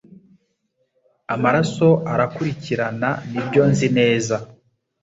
Amaraso arakurikiranani byo nzi neza